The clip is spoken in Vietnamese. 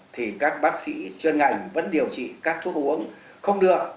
thì các bác sĩ chuyên ngành vẫn điều trị các thuốc uống không được